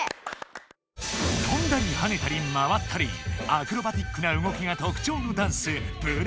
とんだりはねたり回ったりアクロバティックな動きがとくちょうのダンス